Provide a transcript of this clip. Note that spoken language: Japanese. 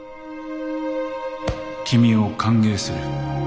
．君を歓迎する。